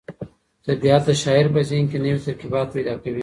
طبیعت د شاعر په ذهن کې نوي ترکیبات پیدا کوي.